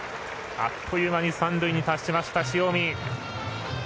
あっという間に三塁に達した塩見。